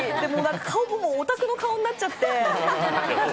顔もオタクの顔になっちゃって。